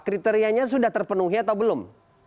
kriterianya sudah terpenuhi atau belum